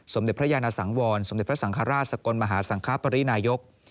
สมเด็จพระยานสังวรสมเด็จพระสังฆราชสกลมหาสังคปรินายก